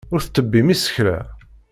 Ur tettebbim isekla.